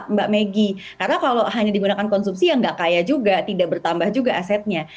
mbak megi karena kalau hanya digunakan konsumsi ya nggak kaya juga tidak bertambah juga asetnya